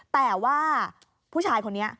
แต่ว่าผู้ชายคนนี้